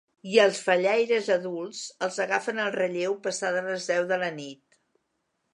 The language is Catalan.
I els fallaires adults els agafen el relleu passades les deu de la nit.